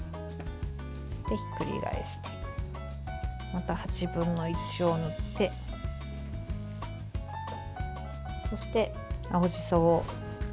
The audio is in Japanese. ひっくり返してまた８分の１を塗ってそして青じそを貼り付けましょう。